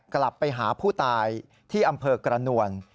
กลับไปหาผู้ตายที่อำเภอกระนวล